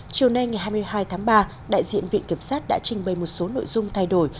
chiều nay ngày hai mươi hai tháng ba đại diện viện kiểm sát đã trình bày một số nội dung thay đổi